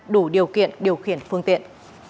đủ điều kiện điều khiển phương tiện